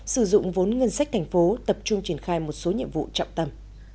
sử dụng vốn ngân sách thành phố tập trung triển khai một số nhiệm vụ trọng tâm